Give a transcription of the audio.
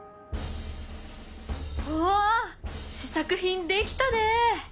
おお試作品できたね。